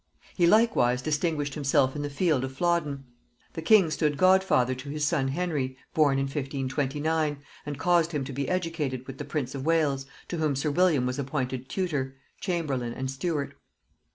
He likewise distinguished himself in the field of Flodden. The king stood godfather to his son Henry, born in 1529, and caused him to be educated with the prince of Wales, to whom sir William was appointed tutor, chamberlain, and steward.